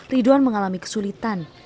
ridwan mengalami kesulitan